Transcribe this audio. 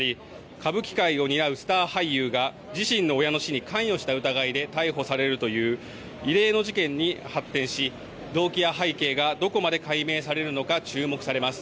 歌舞伎界を担うスター俳優が自身の親の死に関与した疑いで逮捕されるという異例の事件に発展し動機や背景がどこまで解明されるのか注目されます。